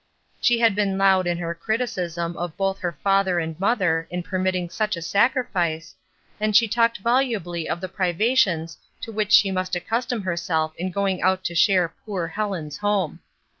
She had been loud in her criticism of both her father and mother in per mitting such a sacrifice, and she talked volubly of the privations to which she must accustom herself in going out to share "poor Helen's" home.